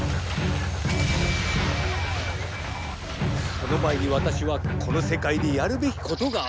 その前にわたしはこのせかいでやるべきことがあるのだ。